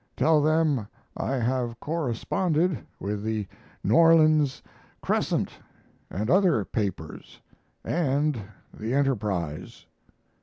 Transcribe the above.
Tell them I have corresponded with the N. Orleans Crescent and other papers and the Enterprise.